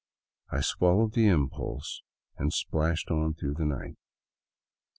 I swallowed the impulse and splashed on through the night.